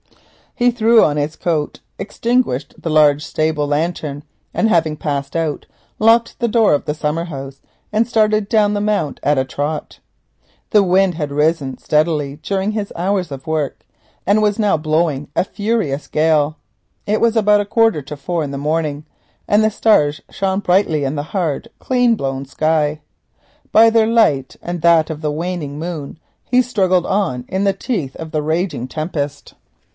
Harold threw on his coat, extinguished the large stable lantern, and passing out, locked the door of the summer house and started down the mount at a trot. The wind had risen steadily during his hours of work, and was now blowing a furious gale. It was about a quarter to four in the morning and the stars shone brightly in the hard clean blown sky. By their light and that of the waning moon he struggled on in the teeth of the raging tempest.